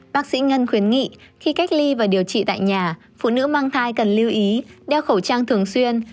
bác sĩ ngân khuyến nghị khi cách ly và điều trị tại nhà phụ nữ mang thai cần lưu ý đeo khẩu trang thường xuyên